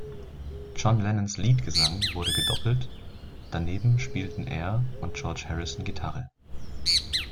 John Lennons Lead-Gesang wurde gedoppelt, daneben spielten er und George Harrison Gitarre.